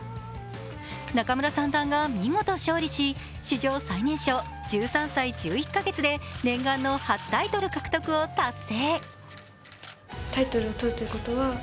仲邑三段が見事勝利し史上最年少１３歳１１か月で念願の初タイトル獲得を達成。